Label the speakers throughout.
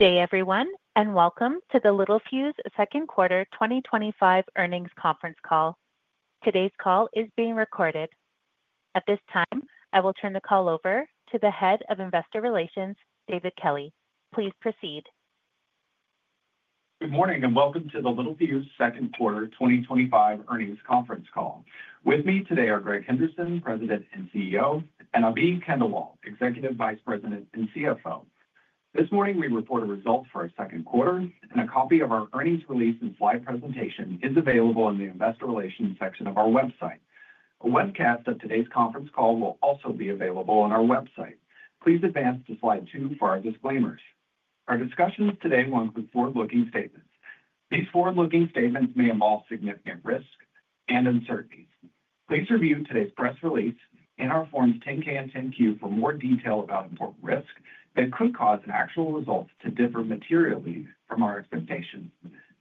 Speaker 1: Good day, everyone, and welcome to the Littelfuse second quarter 2025 earnings conference call. Today's call is being recorded. At this time, I will turn the call over to the Head of Investor Relations, David Kelley. Please proceed.
Speaker 2: Good morning and welcome to the Littelfuse second quarter 2025 earnings conference call. With me today are Greg Henderson, President and CEO, and Abhi Khandelwal, Executive Vice President and CFO. This morning, we reported results for our second quarter, and a copy of our earnings release and slide presentation is available in the investor relations section of our website. A webcast of today's conference call will also be available on our website. Please advance to slide two for our disclaimers. Our discussions today will include forward-looking statements. These forward-looking statements may involve significant risks and uncertainties. Please review today's press release and our Forms 10-K and 10-Q for more detail about important risks that could cause actual results to differ materially from our expectations.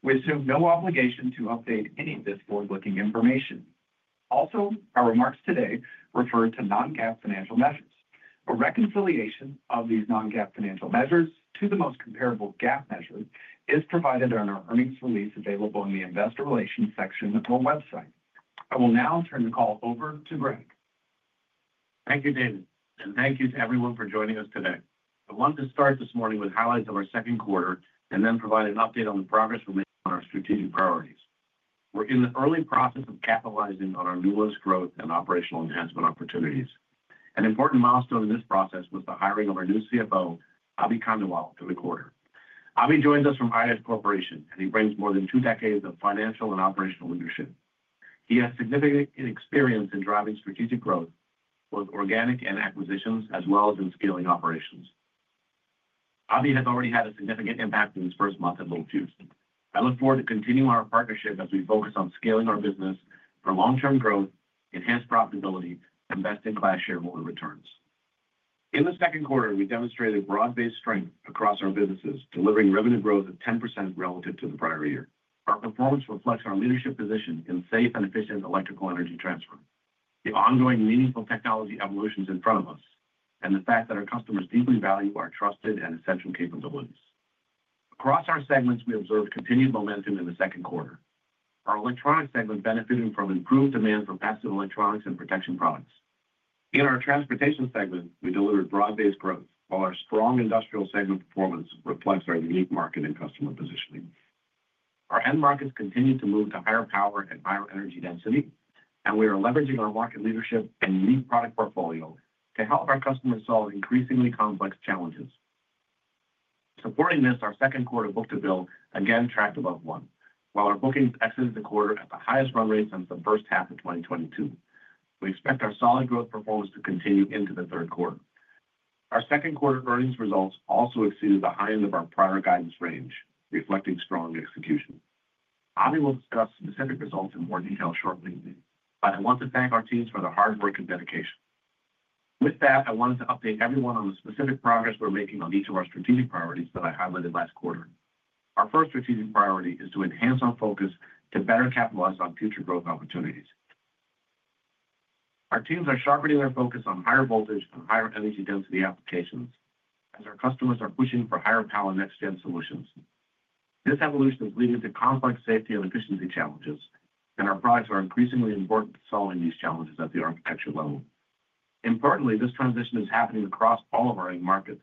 Speaker 2: We assume no obligation to update any of this forward-looking information. Also, our remarks today refer to non-GAAP financial measures. A reconciliation of these non-GAAP financial measures to the most comparable GAAP measure is provided on our earnings release available in the investor relations section of our website. I will now turn the call over to Greg.
Speaker 3: Thank you, David, and thank you to everyone for joining us today. I wanted to start this morning with highlights of our second quarter and then provide an update on the progress we made on our strategic priorities. We're in the early process of capitalizing on our newest growth and operational enhancement opportunities. An important milestone in this process was the hiring of our new CFO, Abhi Khandelwal, to the quarter. Abhi joins us from IRIS Corporation, and he brings more than two decades of financial and operational leadership. He has significant experience in driving strategic growth, both organic and acquisitions, as well as in scaling operations. Abhi has already had a significant impact in his first month at Littelfuse. I look forward to continuing our partnership as we focus on scaling our business for long-term growth, enhanced profitability, and best-in-class shareholder returns. In the second quarter, we demonstrated broad-based strength across our businesses, delivering revenue growth of 10% relative to the prior year. Our performance reflects our leadership position in safe and efficient electrical energy transfer. The ongoing meaningful technology evolution is in front of us, and the fact that our customers deeply value our trusted and essential capabilities. Across our segments, we observed continued momentum in the second quarter. Our electronics segment benefited from improved demand for passive electronics and protection products. In our transportation segment, we delivered broad-based growth, while our strong industrial segment performance reflects our unique market and customer positioning. Our end markets continue to move to higher power and higher energy density, and we are leveraging our market leadership and unique product portfolio to help our customers solve increasingly complex challenges. Supporting this, our second quarter book-to-build again tracked above one, while our bookings exited the quarter at the highest run rate since the first half of 2022. We expect our solid growth performance to continue into the third quarter. Our second quarter earnings results also exceeded the high end of our prior guidance range, reflecting strong execution. Abhi will discuss specific results in more detail shortly. I want to thank our teams for their hard work and dedication. With that, I wanted to update everyone on the specific progress we're making on each of our strategic priorities that I highlighted last quarter. Our first strategic priority is to enhance our focus to better capitalize on future growth opportunities. Our teams are sharpening their focus on higher voltage and higher energy density applications, as our customers are pushing for higher power next-gen solutions. This evolution is leading to complex safety and efficiency challenges, and our products are increasingly important to solving these challenges at the architecture level. Importantly, this transition is happening across all of our end markets,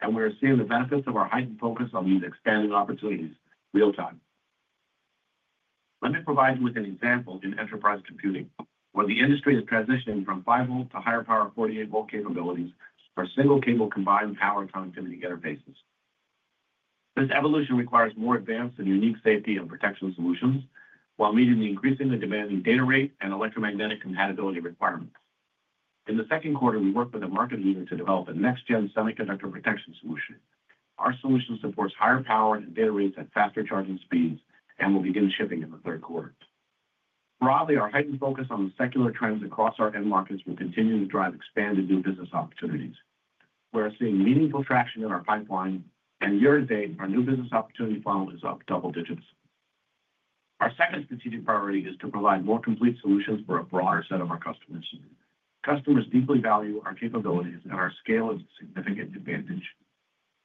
Speaker 3: and we are seeing the benefits of our heightened focus on these expanding opportunities real-time. Let me provide you with an example in enterprise computing, where the industry is transitioning from 5V to higher power 48V capabilities for single-cable combined power connectivity interfaces. This evolution requires more advanced and unique safety and protection solutions, while meeting the increasingly demanding data rate and electromagnetic compatibility requirements. In the second quarter, we worked with a market leader to develop a next-gen semiconductor protection solution. Our solution supports higher power and data rates at faster charging speeds and will begin shipping in the third quarter. Broadly, our heightened focus on the secular trends across our end markets will continue to drive expanded new business opportunities. We are seeing meaningful traction in our pipeline, and year to date, our new business opportunity funnel is up double digits. Our second strategic priority is to provide more complete solutions for a broader set of our customers. Customers deeply value our capabilities and our scale is a significant advantage.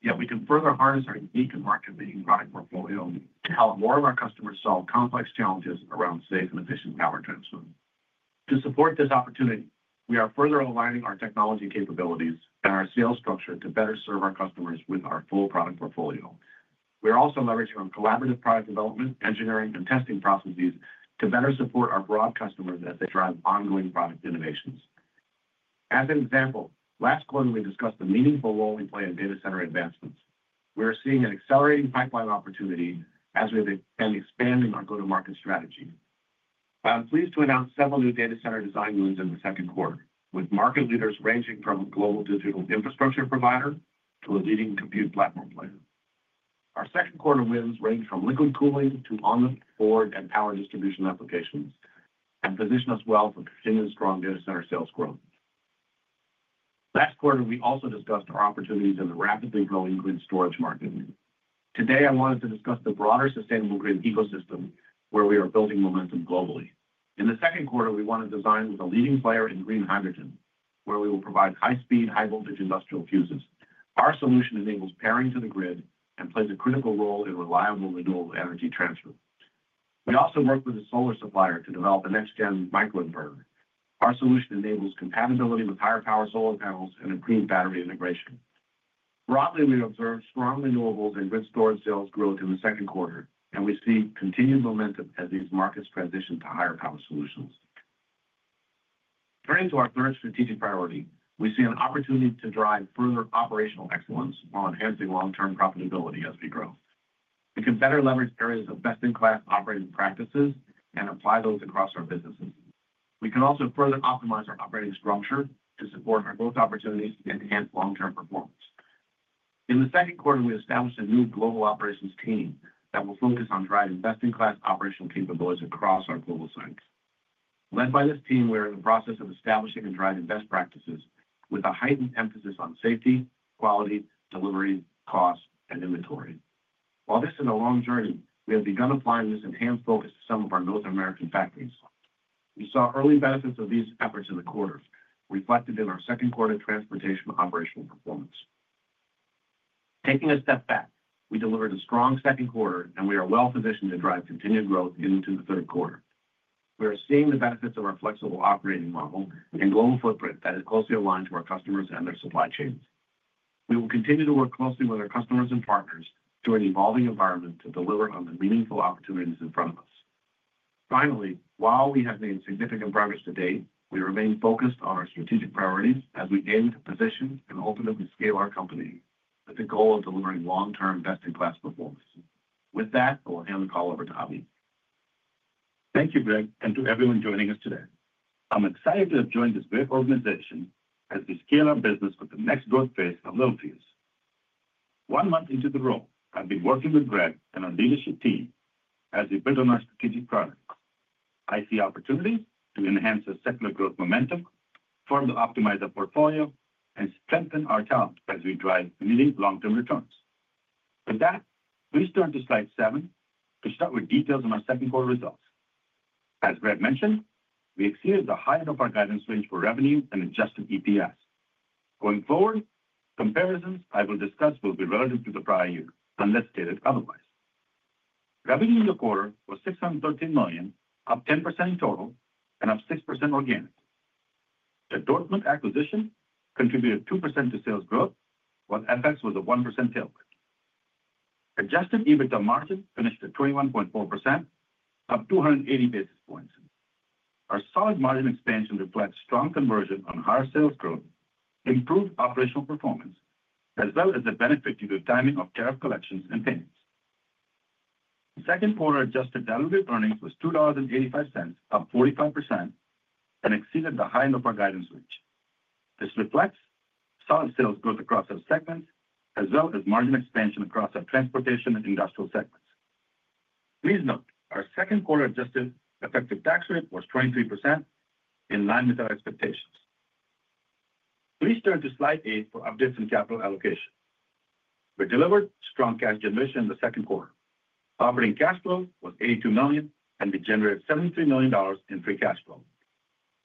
Speaker 3: Yet, we can further harness our unique and market-leading product portfolio to help more of our customers solve complex challenges around safe and efficient power transfer. To support this opportunity, we are further aligning our technology capabilities and our sales structure to better serve our customers with our full product portfolio. We are also leveraging on collaborative product development, engineering, and testing processes to better support our broad customers as they drive ongoing product innovations. As an example, last quarter we discussed the meaningful role we play in data center advancements. We are seeing an accelerating pipeline opportunity as we expand our go-to-market strategy. I am pleased to announce several new data center design wins in the second quarter, with market leaders ranging from a global digital infrastructure provider to a leading compute platform player. Our second quarter wins range from liquid cooling to on the board and power distribution applications and position us well for continued strong data center sales growth. Last quarter, we also discussed our opportunities in the rapidly growing grid storage market. Today, I wanted to discuss the broader sustainable grid ecosystem, where we are building momentum globally. In the second quarter, we won a design with a leading player in green hydrogen, where we will provide high-speed, high-voltage industrial fuses. Our solution enables pairing to the grid and plays a critical role in reliable renewable energy transfer. We also worked with a solar supplier to develop a next-gen microinverter. Our solution enables compatibility with higher power solar panels and improved battery integration. Broadly, we observed strong renewables and grid storage sales growth in the second quarter, and we see continued momentum as these markets transition to higher power solutions. Turning to our third strategic priority, we see an opportunity to drive further operational excellence while enhancing long-term profitability as we grow. We can better leverage areas of best-in-class operating practices and apply those across our businesses. We can also further optimize our operating structure to support our growth opportunities and enhance long-term performance. In the second quarter, we established a new global operations team that will focus on driving best-in-class operational capabilities across our global sites. Led by this team, we are in the process of establishing and driving best practices with a heightened emphasis on safety, quality, delivery, cost, and inventory. While this is a long journey, we have begun applying this enhanced focus to some of our North American factories. We saw early benefits of these efforts in the quarter, reflected in our second quarter transportation operational performance. Taking a step back, we delivered a strong second quarter, and we are well positioned to drive continued growth into the third quarter. We are seeing the benefits of our flexible operating model and global footprint that is closely aligned to our customers and their supply chains. We will continue to work closely with our customers and partners during the evolving environment to deliver on the meaningful opportunities in front of us. Finally, while we have made significant progress to date, we remain focused on our strategic priorities as we aim to position and ultimately scale our company with the goal of delivering long-term best-in-class performance. With that, I will hand the call over to Abhi.
Speaker 4: Thank you, Greg, and to everyone joining us today. I'm excited to have joined this great organization as we scale our business with the next growth phase of Littelfuse. One month into the role, I've been working with Greg and our leadership team as we build on our strategic products. I see opportunities to enhance our secular growth momentum, further optimize our portfolio, and strengthen our talent as we drive meaningful long-term returns. With that, please turn to slide seven to start with details on our second quarter results. As Greg mentioned, we exceeded the high end of our guidance range for revenue and adjusted EPS. Going forward, comparisons I will discuss will be relative to the prior year, unless stated otherwise. Revenue in the quarter was $613 million, up 10% in total, and up 6% organic. The Dortmund acquisition contributed 2% to sales growth, while FX was a 1% tailwind. Adjusted EBITDA margin finished at 21.4%, up 280 basis points. Our solid margin expansion reflects strong conversion on higher sales growth, improved operational performance, as well as the benefit due to timing of tariff collections and payments. The second quarter adjusted delivery earnings was $2.85, up 45%, and exceeded the high end of our guidance range. This reflects solid sales growth across our segments, as well as margin expansion across our transportation and industrial segments. Please note, our second quarter adjusted effective tax rate was 23%, in line with our expectations. Please turn to slide eight for updates on capital allocation. We delivered strong cash generation in the second quarter. Operating cash flow was $82 million, and we generated $73 million in free cash flow.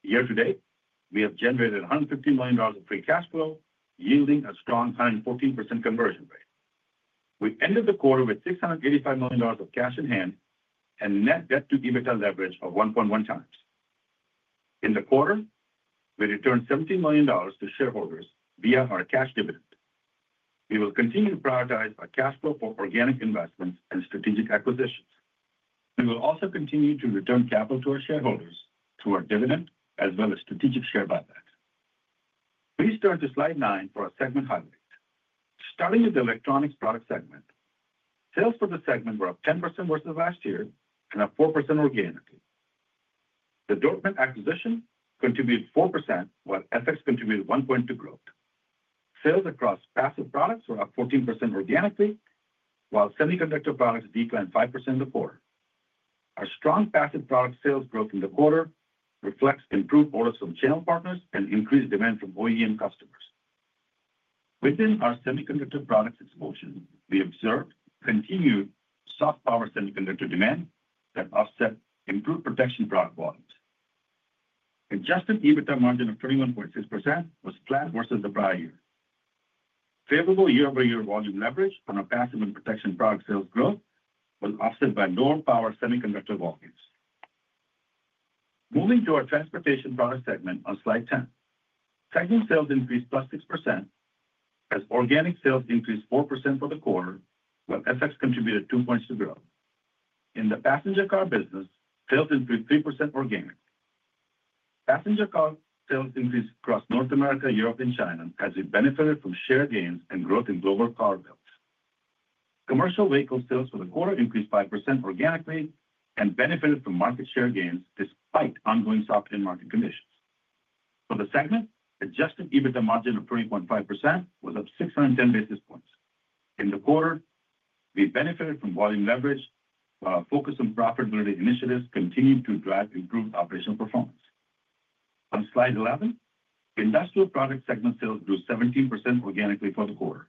Speaker 4: Year to date, we have generated $150 million in free cash flow, yielding a strong 114% conversion rate. We ended the quarter with $685 million of cash in hand and net debt to EBITDA leverage of 1.1 times. In the quarter, we returned $17 million to shareholders via our cash dividend. We will continue to prioritize our cash flow for organic investments and strategic acquisitions. We will also continue to return capital to our shareholders through our dividend, as well as strategic share buyback. Please turn to slide nine for a segment highlight. Starting with the electronics product segment, sales for the segment were up 10% versus last year and up 4% organically. The Dortmund acquisition contributed 4%, while FX contributed 1 point to growth. Sales across passive products were up 14% organically, while semiconductor products declined 5% in the quarter. Our strong passive product sales growth in the quarter reflects improved orders from channel partners and increased demand from OEM customers. Within our semiconductor products exposure, we observed continued soft power semiconductor demand that offset improved protection product volumes. Adjusted EBITDA margin of 21.6% was flat versus the prior year. Favorable year-over-year volume leverage on our passive and protection product sales growth was offset by lower power semiconductor volumes. Moving to our transportation product segment on slide 10, segment sales increased 6% as organic sales increased 4% for the quarter, while FX contributed 2 points to growth. In the passenger car business, sales increased 3% organically. Passenger car sales increased across North America, Europe, and China as we benefited from share gains and growth in global car builds. Commercial vehicle sales for the quarter increased 5% organically and benefited from market share gains despite ongoing soft in-market conditions. For the segment, adjusted EBITDA margin of 30.5% was up 610 basis points. In the quarter, we benefited from volume leverage, while our focus on profitability initiatives continued to drive improved operational performance. On slide 11, industrial product segment sales grew 17% organically for the quarter.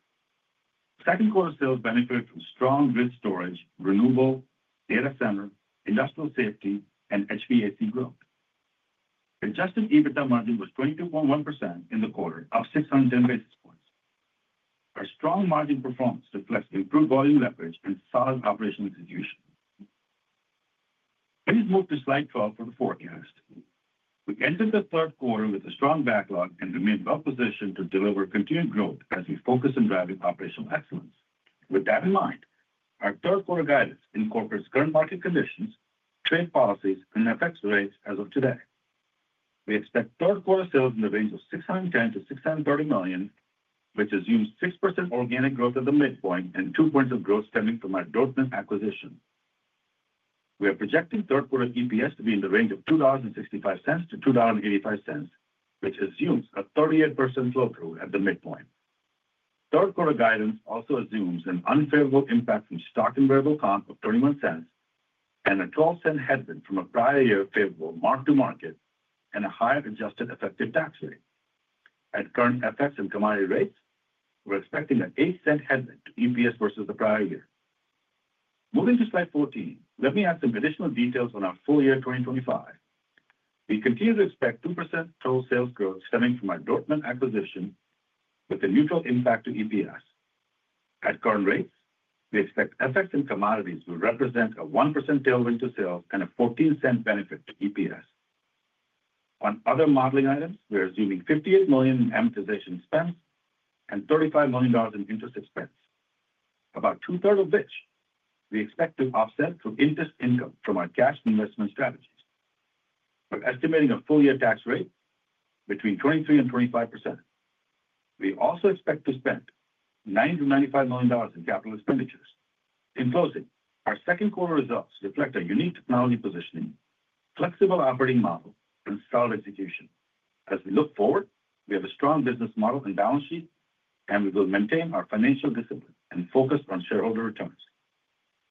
Speaker 4: The second quarter sales benefited from strong grid storage, renewable, data center, industrial safety, and HVAC growth. Adjusted EBITDA margin was 22.1% in the quarter, up 610 basis points. Our strong margin performance reflects improved volume leverage and solid operational execution. Please move to slide 12 for the forecast. We ended the third quarter with a strong backlog and remain well positioned to deliver continued growth as we focus on driving operational excellence. With that in mind, our third quarter guidance incorporates current market conditions, trade policies, and FX rates as of today. We expect third quarter sales in the range of $610 million-$630 million, which assumes 6% organic growth at the midpoint and 2 points of growth stemming from our Dortmund acquisition. We are projecting third quarter EPS to be in the range of $2.65-$2.85, which assumes a 38% flow-through at the midpoint. Third quarter guidance also assumes an unfavorable impact from stock and variable comp of $0.21, and a $0.12 headwind from a prior year favorable mark-to-market and a higher adjusted effective tax rate. At current FX and commodity rates, we're expecting an $0.08 headwind to EPS versus the prior year. Moving to slide 14, let me add some additional details on our full year 2025. We continue to expect 2% total sales growth stemming from our Dortmund acquisition with a neutral impact to EPS. At current rates, we expect FX and commodities will represent a 1% tailwind to sales and a $0.14 benefit to EPS. On other modeling items, we're assuming $58 million in amortization spends and $35 million in interest expense, about two-thirds of which we expect to offset through interest income from our cash and investment strategies. We're estimating a full year tax rate between 23% and 25%. We also expect to spend $90 million-$95 million in capital expenditures. In closing, our second quarter results reflect a unique technology positioning, flexible operating model, and solid execution. As we look forward, we have a strong business model and balance sheet, and we will maintain our financial discipline and focus on shareholder returns.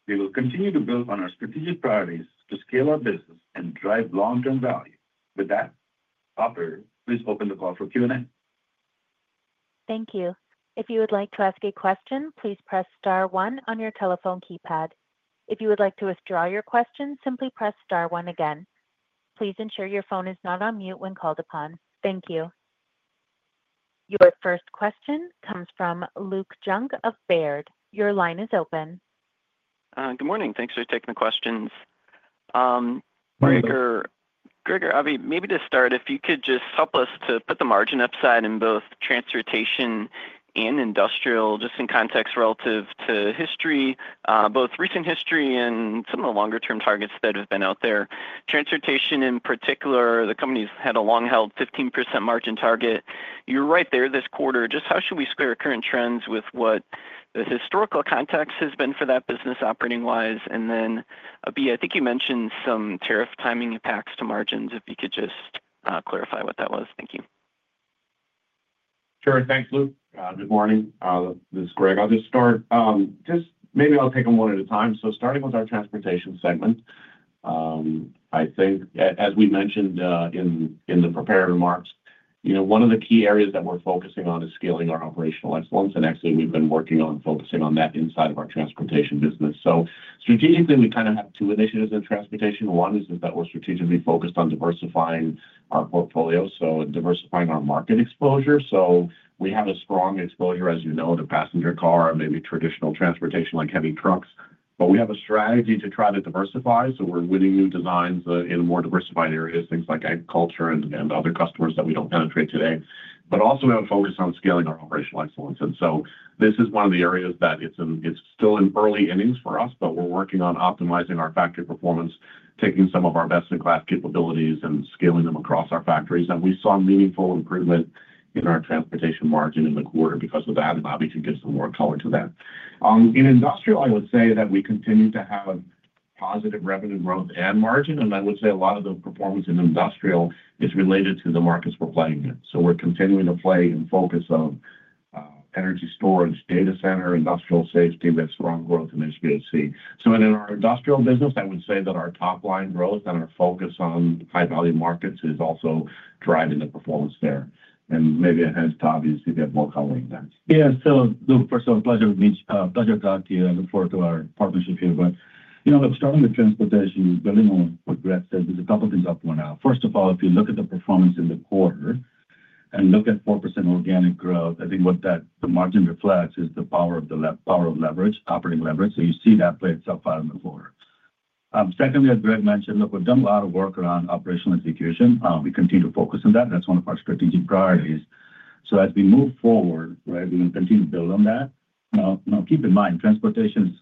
Speaker 4: We will continue to build on our strategic priorities to scale our business and drive long-term value. With that, operator, please open the call for Q&A.
Speaker 1: Thank you. If you would like to ask a question, please press star one on your telephone keypad. If you would like to withdraw your question, simply press star one again. Please ensure your phone is not on mute when called upon. Thank you. Your first question comes from Luke Junk of Baird. Your line is open.
Speaker 5: Good morning. Thanks for taking the questions. Greg or Abhi, maybe to start, if you could just help us to put the margin upside in both transportation and industrial, just in context relative to history, both recent history and some of the longer-term targets that have been out there. Transportation in particular, the company's had a long-held 15% margin target. You're right there this quarter. Just how should we square current trends with what the historical context has been for that business operating-wise? Abhi, I think you mentioned some tariff timing impacts to margins. If you could just clarify what that was. Thank you.
Speaker 3: Sure. Thanks, Luke. Good morning. This is Greg. I'll just start. Maybe I'll take them one at a time. Starting with our transportation segment, as we mentioned in the prepared remarks, one of the key areas that we're focusing on is scaling our operational excellence. We've been working on focusing on that inside of our transportation business. Strategically, we have two initiatives in transportation. One is that we're strategically focused on diversifying our portfolio, so diversifying our market exposure. We have a strong exposure, as you know, to passenger car and maybe traditional transportation like heavy trucks. We have a strategy to try to diversify. We're winning new designs in more diversified areas, things like agriculture and other customers that we don't penetrate today. We also have a focus on scaling our operational excellence. This is one of the areas that is still in early innings for us, but we're working on optimizing our factory performance, taking some of our best-in-class capabilities and scaling them across our factories. We saw meaningful improvement in our transportation margin in the quarter because of that. Abhi can give some more color to that. In industrial, I would say that we continue to have positive revenue growth and margin. A lot of the performance in industrial is related to the markets we're playing in. We're continuing to play in focus of energy storage, data center, industrial safety, we have strong growth in HVAC. In our industrial business, our top-line growth and our focus on high-value markets is also driving the performance there. Maybe I'll hand it to Abhi to see if he has more color on that.
Speaker 4: Yeah. So, Luke, first of all, a pleasure to meet you. A pleasure to talk to you. I look forward to our partnership here. Starting with transportation, building on what Greg said, there's a couple of things I'll point out. First of all, if you look at the performance in the quarter and look at 4% organic growth, I think what that margin reflects is the power of leverage, operating leverage. You see that play itself out in the quarter. Secondly, as Greg mentioned, we've done a lot of work around operational execution. We continue to focus on that. That's one of our strategic priorities. As we move forward, we will continue to build on that. Now, keep in mind, transportation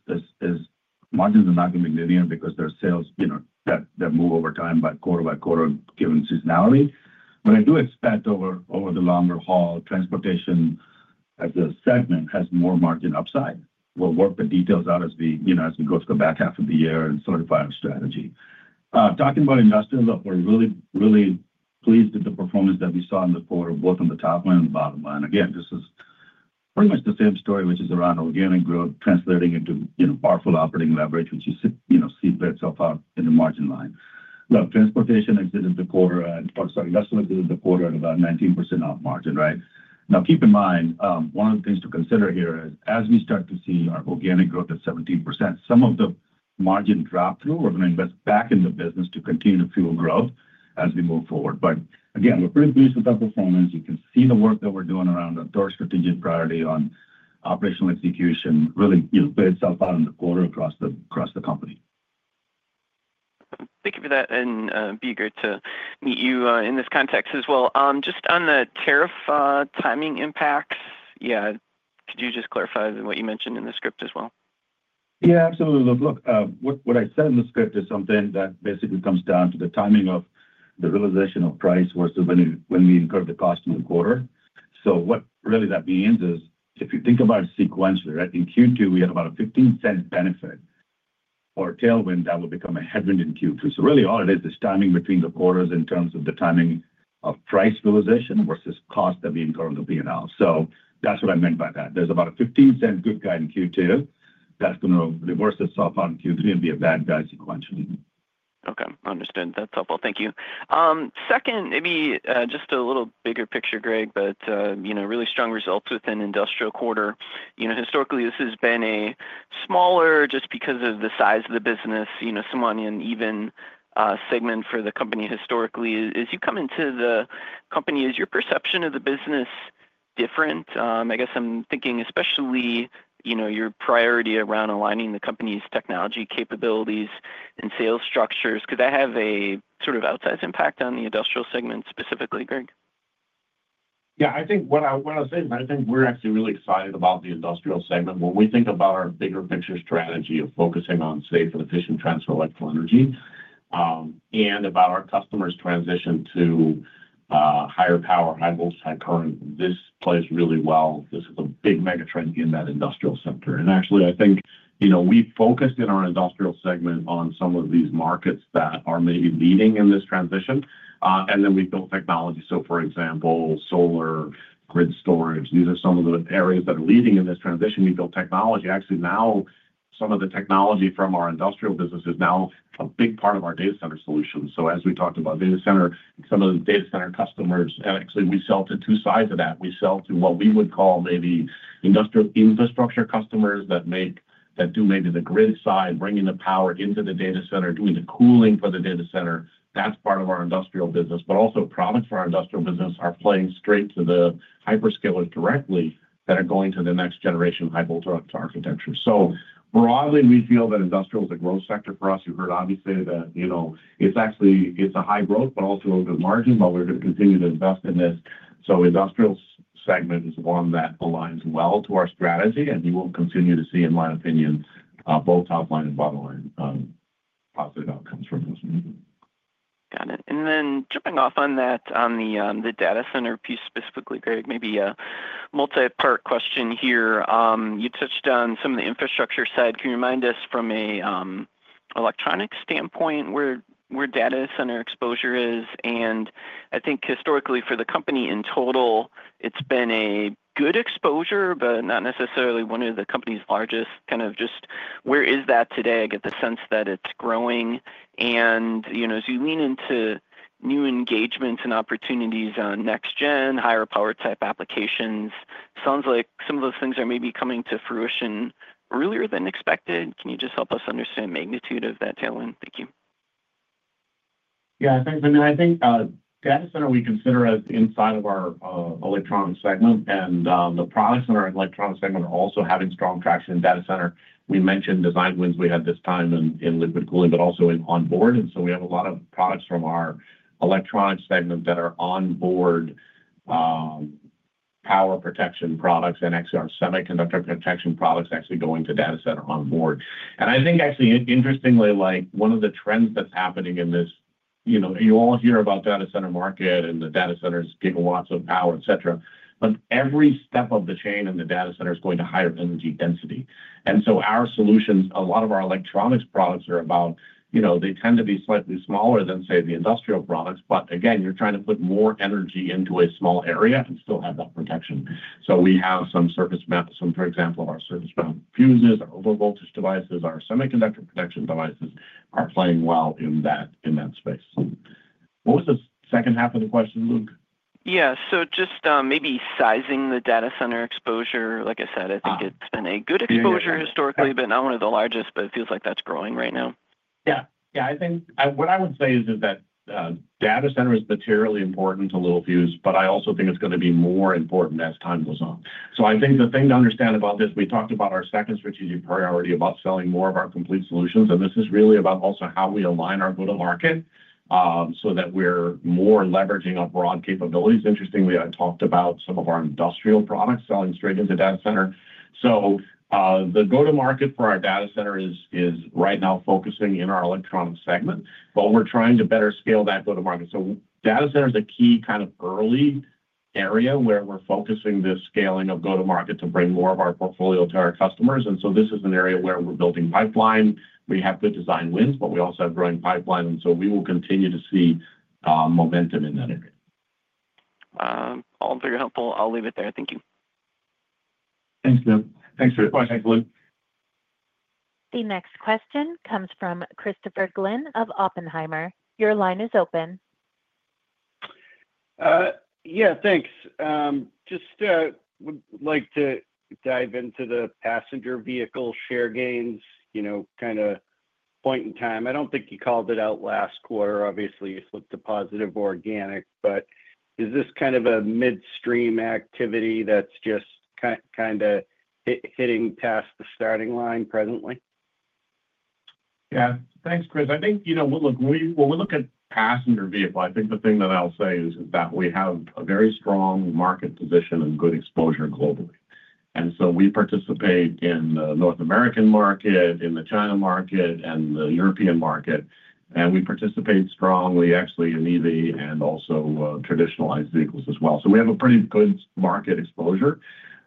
Speaker 4: margins are not going to be linear because there are sales that move over time by quarter given seasonality. I do expect over the longer haul, transportation as a segment has more margin upside. We'll work the details out as we go to the back half of the year and solidify our strategy. Talking about industrial, we're really, really pleased with the performance that we saw in the quarter, both on the top line and the bottom line. Again, this is pretty much the same story, which is around organic growth translating into powerful operating leverage, which you see play itself out in the margin line. Transportation exited the quarter and, or sorry, industrial exited the quarter at about 19% margin, right? Now, keep in mind, one of the things to consider here is as we start to see our organic growth at 17%, some of the margin dropped through. We're going to invest back in the business to continue to fuel growth as we move forward. Again, we're pretty pleased with our performance. You can see the work that we're doing around our third strategic priority on operational execution really play itself out in the quarter across the company.
Speaker 5: Thank you for that. It'd be great to meet you in this context as well. Just on the tariff timing impacts, could you just clarify what you mentioned in the script as well?
Speaker 4: Yeah, absolutely. What I said in the script is something that basically comes down to the timing of the realization of price versus when we incurred the cost in the quarter. What that means is if you think about it sequentially, in Q2, we had about a $0.15 benefit or tailwind that will become a headwind in Q2. All it is, it's timing between the quarters in terms of the timing of price realization versus cost that we incur on the P&L. That's what I meant by that. There's about a $0.15 good guy in Q2 that's going to reverse itself out in Q3 and be a bad guy sequentially.
Speaker 5: Okay. Understood. That's helpful. Thank you. Second, maybe just a little bigger picture, Greg, but you know really strong results within industrial quarter. You know historically, this has been a smaller just because of the size of the business, you know somewhat an uneven segment for the company historically. As you come into the company, is your perception of the business different? I guess I'm thinking especially you know your priority around aligning the company's technology capabilities and sales structures. Could that have a sort of outsized impact on the industrial segment specifically, Greg?
Speaker 3: Yeah, I think what I'll say is I think we're actually really excited about the industrial segment. When we think about our bigger picture strategy of focusing on safe and efficient transfer of electrical energy and about our customers' transition to higher power, high voltage, high current, this plays really well. This is a big megatrend in that industrial sector. I think you know we focused in our industrial segment on some of these markets that are maybe leading in this transition. We built technology. For example, solar, grid storage, these are some of the areas that are leading in this transition. We built technology. Actually, now some of the technology from our industrial business is now a big part of our data center solutions. As we talked about data center, some of the data center customers, and actually, we sell to two sides of that. We sell to what we would call maybe industrial infrastructure customers that do maybe the grid side, bringing the power into the data center, doing the cooling for the data center. That's part of our industrial business. Also, products for our industrial business are playing straight to the hyperscalers directly that are going to the next generation high-voltage architecture. Broadly, we feel that industrial is a growth sector for us. You heard Abhi say that it's actually, it's a high growth, but also a good margin, but we're going to continue to invest in this. Industrial segment is one that aligns well to our strategy, and you will continue to see, in my opinion, both top line and bottom line positive outcomes from this.
Speaker 5: Got it. Jumping off on that, on the data center piece specifically, Greg, maybe a multi-part question here. You touched on some of the infrastructure side. Can you remind us from an electronics standpoint where data center exposure is? I think historically for the company in total, it's been a good exposure, but not necesSareely one of the company's largest. Kind of just where is that today? I get the sense that it's growing. As you lean into new engagements and opportunities on next-gen, higher-power type applications, sounds like some of those things are maybe coming to fruition earlier than expected. Can you just help us understand the magnitude of that tailwind? Thank you.
Speaker 3: Yeah, thanks, Luke. I think data center we consider as inside of our electronics segment. The products in our electronics segment are also having strong traction in data center. We mentioned design wins we had this time in liquid cooling, but also in onboard. We have a lot of products from our electronics segment that are onboard power protection products and actually our semiconductor protection products actually going to data center onboard. I think, interestingly, like one of the trends that's happening in this, you know, you all hear about the data center market and the data center's gigawatts of power, etc. Every step of the chain in the data center is going to higher energy density. Our solutions, a lot of our electronics products are about, you know, they tend to be slightly smaller than, say, the industrial products. Again, you're trying to put more energy into a small area and still have that protection. We have some surface maps, for example, of our surface mount fuses, our overvoltage devices, our semiconductor protection devices are playing well in that space. What was the second half of the question, Luke?
Speaker 5: Yeah. Just maybe sizing the data center exposure, like I said, I think it's been a good exposure historically, but not one of the largest. It feels like that's growing right now.
Speaker 3: I think what I would say is that data center is materially important to Littelfuse, but I also think it's going to be more important as time goes on. I think the thing to understand about this, we talked about our second strategic priority about selling more of our complete solutions. This is really about also how we align our go-to-market so that we're more leveraging our broad capabilities. Interestingly, I talked about some of our industrial products selling straight into data center. The go-to-market for our data center is right now focusing in our electronics segment, but we're trying to better scale that go-to-market. Data center is a key kind of early area where we're focusing this scaling of go-to-market to bring more of our portfolio to our customers. This is an area where we're building pipeline. We have good design wins, but we also have growing pipeline. We will continue to see momentum in that area.
Speaker 5: All very helpful. I'll leave it there. Thank you.
Speaker 3: Thanks, Luke.
Speaker 4: Thanks for the question, Luke.
Speaker 1: The next question comes from Christopher Glynn of Oppenheimer. Your line is open.
Speaker 6: Yeah, thanks. Just would like to dive into the passenger vehicle share gains, you know, kind of point in time. I don't think you called it out last quarter. Obviously, it's looked a positive organic, but is this kind of a midstream activity that's just kind of hitting past the starting line presently?
Speaker 3: Yeah. Thanks, Chris. I think, you know, when we look at passenger vehicle, I think the thing that I'll say is that we have a very strong market position and good exposure globally. We participate in the North American market, in the China market, and the European market. We participate strongly, actually, in EV and also traditional IC vehicles as well. We have a pretty good market exposure.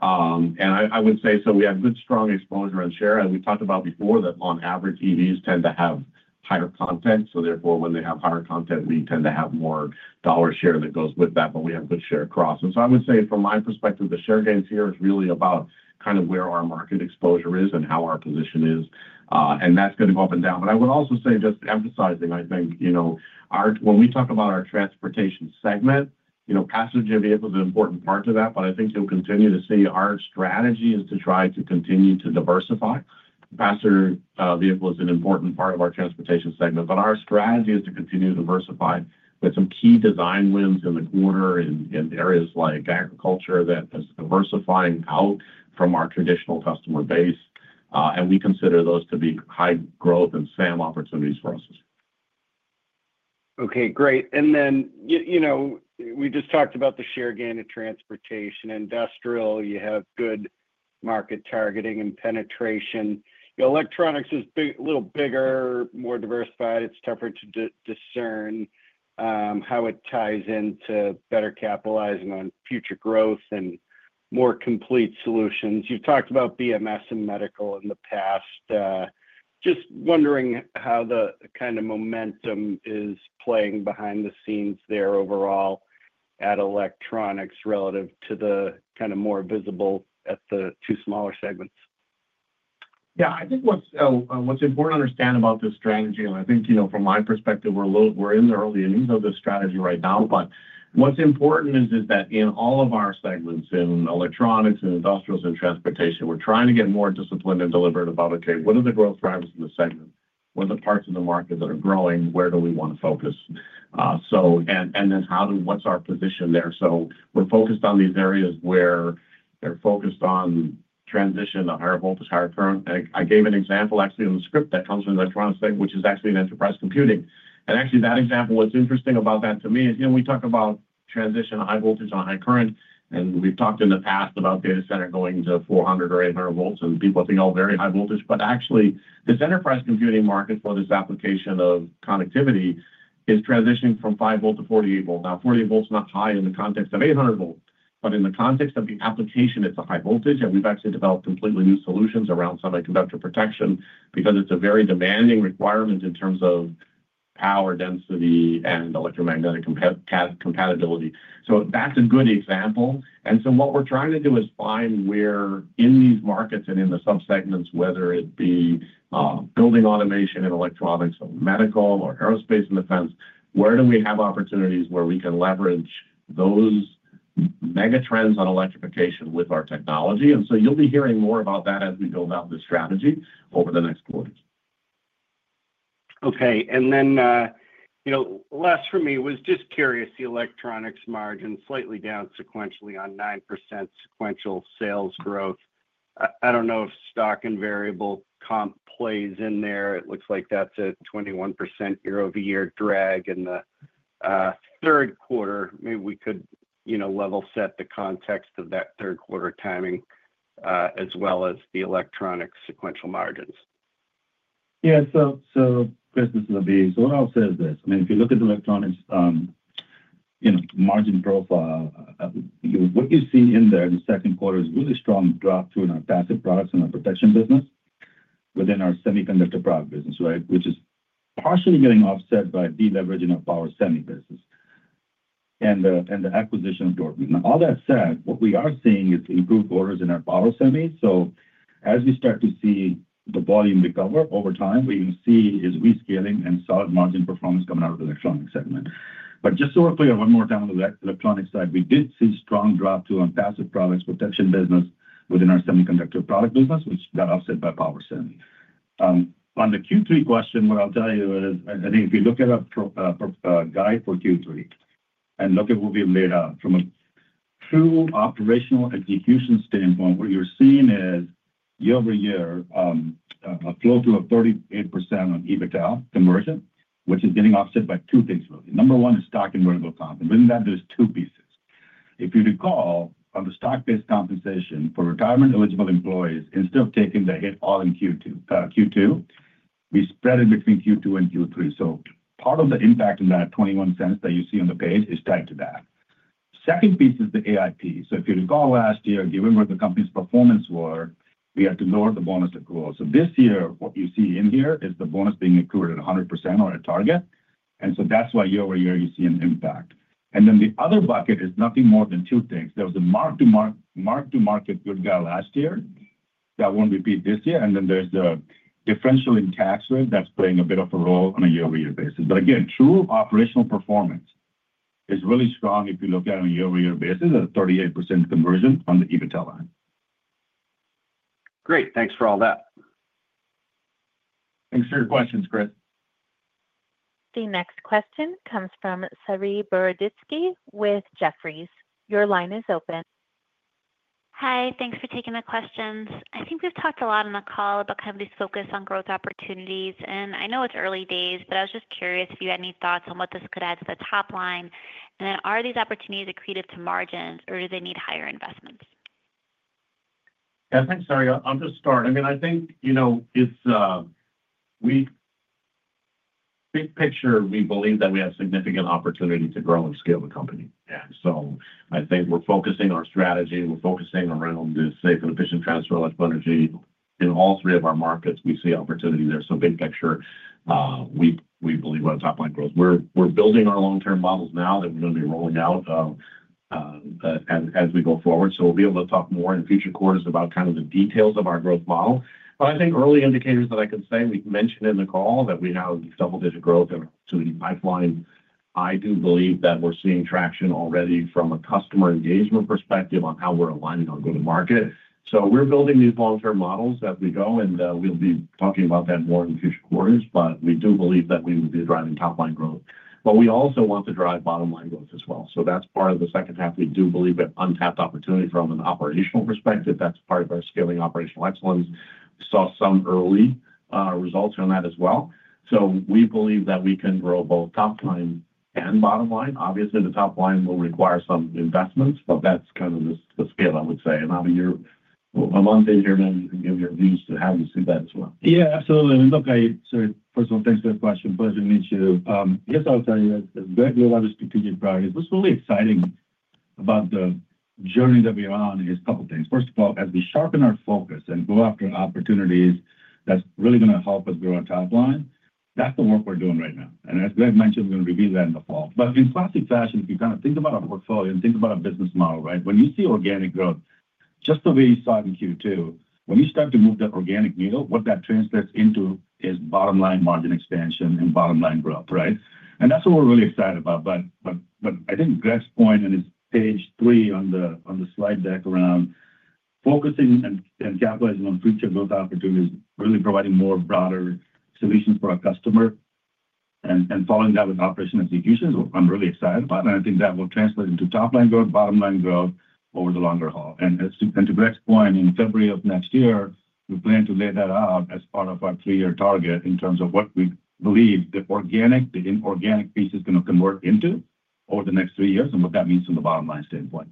Speaker 3: I would say we have good, strong exposure and share. We talked about before that on average, EVs tend to have higher content. Therefore, when they have higher content, we tend to have more dollar share that goes with that. We have good share across. I would say from my perspective, the share gains here is really about kind of where our market exposure is and how our position is. That's going to go up and down. I would also say just emphasizing, I think, you know, when we talk about our transportation segment, passenger vehicles are an important part of that. I think you'll continue to see our strategy is to try to continue to diversify. Passenger vehicle is an important part of our transportation segment. Our strategy is to continue to diversify with some key design wins in the quarter in areas like agriculture that is diversifying out from our traditional customer base. We consider those to be high growth and SAM opportunities for us as well.
Speaker 6: Okay, great. You know, we just talked about the share gain in transportation and industrial. You have good market targeting and penetration. Electronics is a little bigger, more diversified. It's tougher to discern how it ties into better capitalizing on future growth and more complete solutions. You've talked about BMS and medical in the past. Just wondering how the kind of momentum is playing behind the scenes there overall at electronics relative to the kind of more visible at the two smaller segments.
Speaker 3: Yeah, I think what's important to understand about this strategy, and I think, you know, from my perspective, we're in the early innings of this strategy right now. What's important is that in all of our segments, in electronics, in industrials, and transportation, we're trying to get more disciplined and deliberate about, okay, what are the growth drivers in the segment? What are the parts of the market that are growing? Where do we want to focus? Then how do what's our position there? We're focused on these areas where they're focused on transition to higher voltage, higher current. I gave an example, actually, in the script that comes from the electronics segment, which is actually in enterprise computing. That example, what's interesting about that to me is, you know, we talk about transition to high voltage on high current. We've talked in the past about data center going to 400 or 800 volts. People think, oh, very high voltage. Actually, this enterprise computing market for this application of connectivity is transitioning from 5 volt to 48 volt. Now, 48 volt is not high in the context of 800 volt. In the context of the application, it's a high voltage. We've actually developed completely new solutions around semiconductor protection because it's a very demanding requirement in terms of power density and electromagnetic compatibility. That's a good example. What we're trying to do is find where in these markets and in the subsegments, whether it be building automation and electronics or medical or aerospace and defense, where do we have opportunities where we can leverage those megatrends on electrification with our technology. You'll be hearing more about that as we build out this strategy over the next quarter.
Speaker 6: Okay. Last for me was just curious, the electronics margin slightly down sequentially on 9% sequential sales growth. I don't know if stock and variable comp plays in there. It looks like that's a 21% year-over-year drag in the third quarter. Maybe we could level set the context of that third quarter timing as well as the electronics sequential margins.
Speaker 4: Yeah. Chris, this is Abhi. What I'll say is this. If you look at the electronics margin profile, what you see in there in the second quarter is a really strong drop through in our passive products and our protection business within our semiconductor product business, which is partially getting offset by de-leveraging our power semi business and the acquisition of Dortmund. All that said, what we are seeing is improved orders in our power semis. As we start to see the volume recover over time, what you can see is rescaling and solid margin performance coming out of the electronics segment. Just so we're clear, one more time on the electronics side, we did see a strong drop through on passive products protection business within our semiconductor product business, which got offset by power semis. On the Q3 question, what I'll tell you is, I think if you look at a guide for Q3 and look at what we've laid out from a true operational execution standpoint, what you're seeing is year-over-year a flow through of 38% on EBITDA conversion, which is getting offset by two things really. Number one is stock and variable comp. Within that, there's two pieces. If you recall, on the stock-based compensation for retirement-eligible employees, instead of taking the hit all in Q2, we spread it between Q2 and Q3. Part of the impact in that $0.21 that you see on the page is tied to that. The second piece is the AIP. If you recall last year, given where the company's performance was, we had to lower the bonus accrual. This year, what you see in here is the bonus being accrued at 100% or at target. That's why year-over-year you see an impact. The other bucket is nothing more than two things. There was a mark-to-market good guy last year that won't repeat this year. There's the differential in tax rate that's playing a bit of a role on a year-over-year basis. Again, true operational performance is really strong if you look at it on a year-over-year basis at a 38% conversion on the EBITDA line.
Speaker 6: Great. Thanks for all that.
Speaker 4: Thanks for your questions, Chris.
Speaker 1: The next question comes from Saree Boroditsky with Jefferies. Your line is open.
Speaker 7: Hi. Thanks for taking the questions. I think we've talked a lot on the call about companies focused on growth opportunities. I know it's early days, but I was just curious if you had any thoughts on what this could add to the top line. Are these opportunities accretive to margins or do they need higher investments?
Speaker 3: Yeah, thanks, Saree. I'll just start. I mean, I think, you know, it's a big picture. We believe that we have significant opportunity to grow and scale the company. I think we're focusing our strategy. We're focusing around the safe and efficient transfer of electrical energy in all three of our markets. We see opportunity there. Big picture, we believe our top line growth. We're building our long-term models now that we're going to be rolling out as we go forward. We'll be able to talk more in future quarters about kind of the details of our growth model. I think early indicators that I could say, we mentioned in the call that we have double-digit growth in our pipeline. I do believe that we're seeing traction already from a customer engagement perspective on how we're aligning our go-to-market. We're building these long-term models as we go. We'll be talking about that more in future quarters. We do believe that we will be driving top line growth. We also want to drive bottom line growth as well. That's part of the second half. We do believe we have untapped opportunity from an operational perspective. That's part of our scaling operational excellence. We saw some early results on that as well. We believe that we can grow both top line and bottom line. Obviously, the top line will require some investments, but that's kind of the scale I would say. Abhi, you're a month in here, maybe you can give your views to how you see that as well.
Speaker 4: Yeah, absolutely. I mean, first of all, thanks for the question. Pleasure to meet you. Here's what I'll tell you. As Greg, we have other strategic priorities. What's really exciting about the journey that we are on is a couple of things. First of all, as we sharpen our focus and go after opportunities, that's really going to help us grow our top line. That's the work we're doing right now. As Greg mentioned, we're going to reveal that in the fall. In classic fashion, if you kind of think about our portfolio and think about our business model, right, when you see organic growth, just the way you saw it in Q2, when you start to move that organic needle, what that translates into is bottom line margin expansion and bottom line growth, right? That's what we're really excited about. I think Greg's point in his page three on the slide deck around focusing and capitalizing on future growth opportunities, really providing more broader solutions for our customer, and following that with operational execution is what I'm really excited about. I think that will translate into top line growth, bottom line growth over the longer haul. To Greg's point, in February of next year, we plan to lay that out as part of our three-year target in terms of what we believe the organic, the inorganic piece is going to convert into over the next three years and what that means from the bottom line standpoint.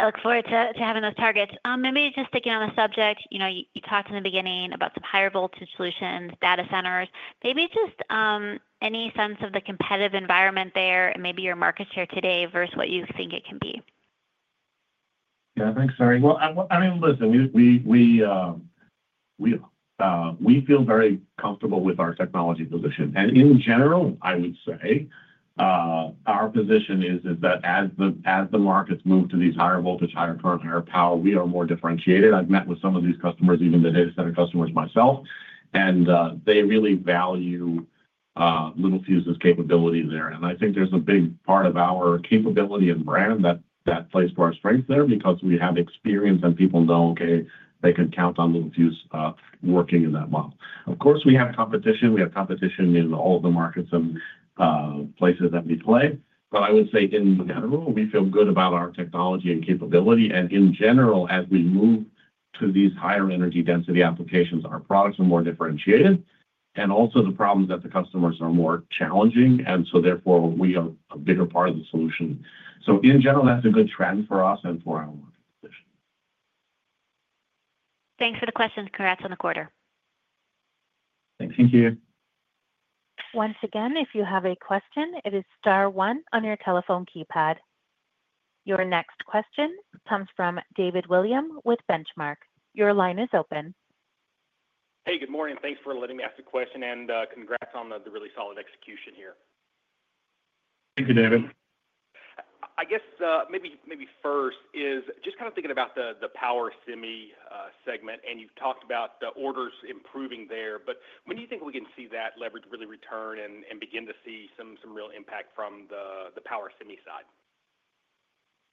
Speaker 7: I look forward to having those targets. Maybe just sticking on the subject, you talked in the beginning about some higher voltage solutions, data centers. Maybe just any sense of the competitive environment there and maybe your market share today versus what you think it can be.
Speaker 3: Yeah, thanks, Saree. I mean, listen, we feel very comfortable with our technology position. In general, I would say our position is that as the markets move to these higher voltage, higher current, higher power, we are more differentiated. I've met with some of these customers, even the data center customers myself, and they really value Littelfuse's capability there. I think there's a big part of our capability and brand that plays for our strength there because we have experience and people know, okay, they can count on Littelfuse working in that model. Of course, we have competition. We have competition in all of the markets and places that we play. I would say in general, we feel good about our technology and capability. In general, as we move to these higher energy density applications, our products are more differentiated. Also, the problems that the customers are facing are more challenging, and therefore, we are a bigger part of the solution. In general, that's a good trend for us and for our market position.
Speaker 7: Thanks for the questions. Congrats on the quarter.
Speaker 3: Thanks.
Speaker 4: Thank you.
Speaker 1: Once again, if you have a question, it is star one on your telephone keypad. Your next question comes from David Williams with Benchmark. Your line is open.
Speaker 8: Hey, good morning. Thanks for letting me ask a question, and congrats on the really solid execution here.
Speaker 3: Thank you, David.
Speaker 8: I guess maybe first is just kind of thinking about the power semi segment. You've talked about the orders improving there. When do you think we can see that leverage really return and begin to see some real impact from the power semi side?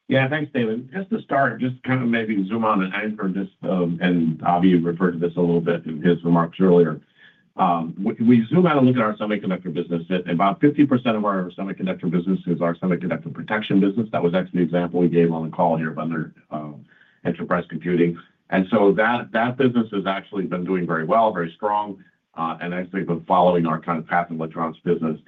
Speaker 3: Yeah, thanks, David. Just to start, maybe zoom on to Ankur and Abhi Khandelwal referred to this a little bit in his remarks earlier. We zoom out and look at our semiconductor business. About 50% of our semiconductor business is our semiconductor protection business. That was actually the example we gave on the call here of under enterprise computing. That business has actually been doing very well, very strong, and actually been following our kind of path in electronics business.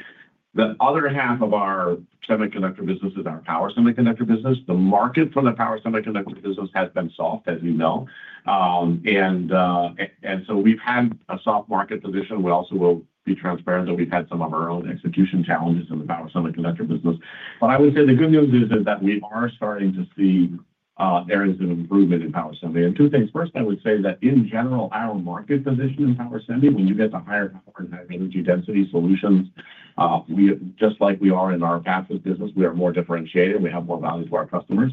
Speaker 3: The other half of our semiconductor business is our power semiconductor business. The market for the power semiconductor business has been soft, as you know. We've had a soft market position. We also will be transparent that we've had some of our own execution challenges in the power semiconductor business. I would say the good news is that we are starting to see areas of improvement in power semi. Two things. First, I would say that in general, our market position in power semi, when you get to higher power and higher energy density solutions, just like we are in our fastest business, we are more differentiated. We have more value to our customers.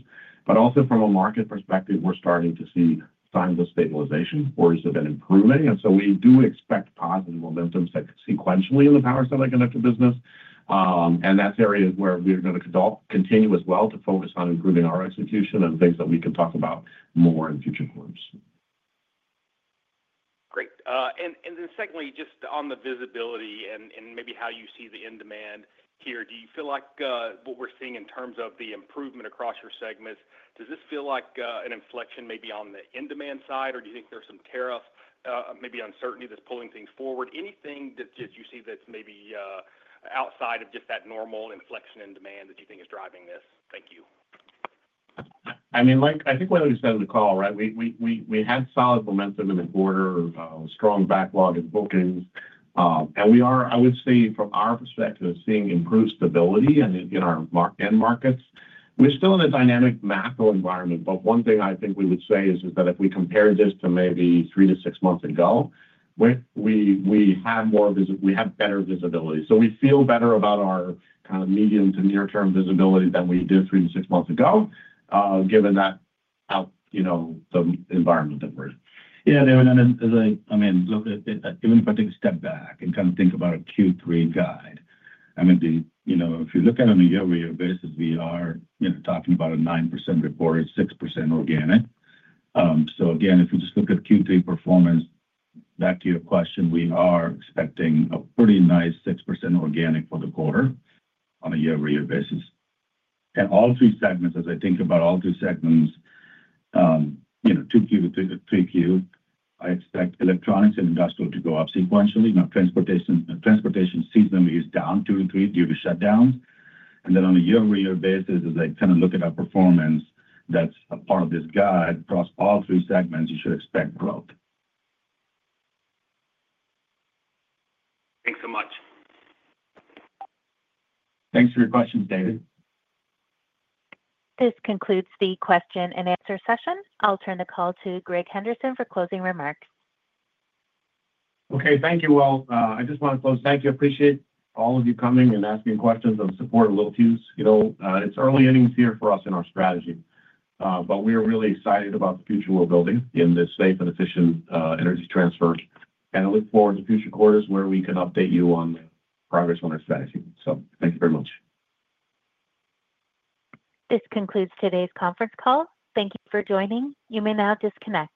Speaker 3: Also from a market perspective, we're starting to see signs of stabilization or is it improving? We do expect positive momentum sequentially in the power semiconductor business. That's areas where we're going to continue as well to focus on improving our execution and things that we can talk about more in future quarters.
Speaker 8: Great. Secondly, just on the visibility and maybe how you see the in-demand here, do you feel like what we're seeing in terms of the improvement across your segments, does this feel like an inflection maybe on the in-demand side, or do you think there's some tariff, maybe uncertainty that's pulling things forward? Anything that you see that's maybe outside of just that normal inflection in demand that you think is driving this? Thank you.
Speaker 3: I think what I just said in the call, right, we had solid momentum in the quarter, strong backlog in bookings. We are, I would say, from our perspective, seeing improved stability in our end markets. We're still in a dynamic macro environment. One thing I think we would say is that if we compare this to maybe three to six months ago, we have more visibility. We have better visibility. We feel better about our kind of medium to near-term visibility than we did three to six months ago, given the environment that we're in.
Speaker 4: Yeah, David. Even if I take a step back and kind of think about a Q3 guide, if you look at it on a year-over-year basis, we are talking about a 9% reported, 6% organic. If you just look at Q3 performance, back to your question, we are expecting a pretty nice 6% organic for the quarter on a year-over-year basis. All three segments, as I think about all three segments, 2Q to 3Q, I expect electronics and industrial to go up sequentially. Transportation seasonally is down 2%-% due to shutdowns. On a year-over-year basis, as I kind of look at our performance, that's a part of this guide. Across all three segments, you should expect growth.
Speaker 8: Thanks so much.
Speaker 4: Thanks for your questions, David.
Speaker 1: This concludes the question-and-answer session. I'll turn the call to Greg Henderson for closing remarks.
Speaker 3: Thank you. I appreciate all of you coming and asking questions and supporting Littelfuse. It's early innings here for us in our strategy, but we are really excited about the future we're building in this safe and efficient energy transfer. I look forward to future quarters where we can update you on the progress on our strategy. Thank you very much.
Speaker 1: This concludes today's conference call. Thank you for joining. You may now disconnect.